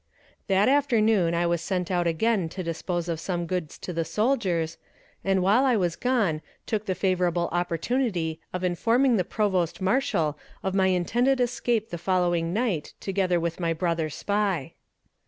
That afternoon I was sent out again to dispose of some goods to the soldiers, and while I was gone took the favorable opportunity of informing the Provost Marshal of my intended escape the following night together with my brother spy.